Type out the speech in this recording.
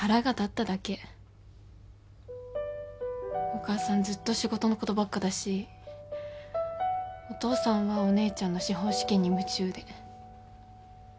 お母さんずっと仕事のことばっかだしお父さんはお姉ちゃんの司法試験に夢中で。